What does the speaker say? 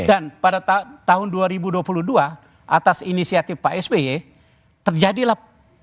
dan pada tahun dua ribu dua puluh dua atas inisiatif pak sby terjadilah